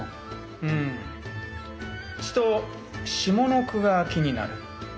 うんちと下の句が気になる。